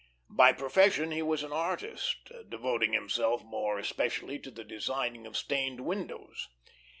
By profession he was an artist, devoting himself more especially to the designing of stained windows.